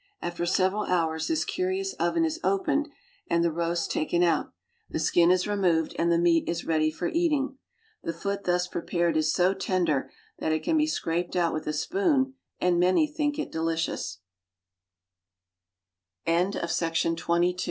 After several hours this curious oven is opened and the roast taken out, the skin is removed, and the meat is ready for eating. The foot thus prepared is so tender that it can be scraped out with a spoon, and many think, it